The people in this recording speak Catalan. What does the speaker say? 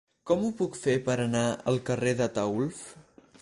Com ho puc fer per anar al carrer d'Ataülf?